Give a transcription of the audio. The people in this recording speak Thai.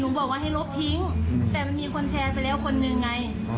บอกว่าให้ลบทิ้งแต่มันมีคนแชร์ไปแล้วคนหนึ่งไง